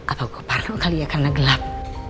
apa gue parno kali ya karena gelap